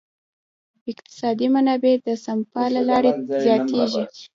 اقتصادي منابع د سپما له لارې زیاتیږي.